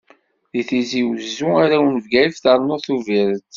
Deg Tizi Wezzu, arraw n Bgayet, ternuḍ Tubiret.